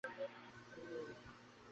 এ বাড়িতে অন্নদাবাবুরা তো এখন কেহ নাই।